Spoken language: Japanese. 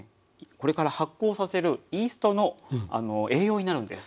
これから発酵をさせるイーストの栄養になるんです。